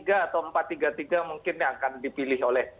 tiga empat tiga atau empat tiga tiga mungkin akan dipilih oleh